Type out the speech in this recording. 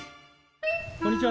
こんにちは。